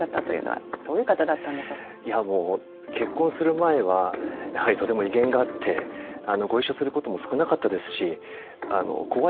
いやもう結婚する前はやはりとても威厳があってご一緒することも少なかったですしあの怖い存在でした。